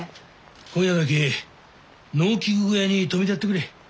今夜だけ農機具小屋に泊めてやってくれ。